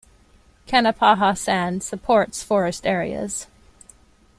Kanapaha sand supports forest areas.